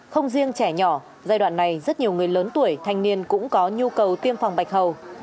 không riêng trẻ nhỏ giai đoạn này rất nhiều người lớn tuổi thanh niên cũng có nhu cầu tiêm phòng bạch hầu